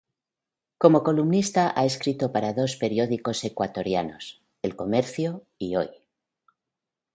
Como columnista ha escrito para dos periódicos ecuatorianos, "El Comercio" y "Hoy".